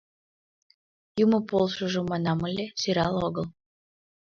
Юмо полшыжо манам ыле — сӧрал огыл.